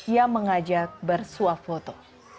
yang mengajak bersuap foto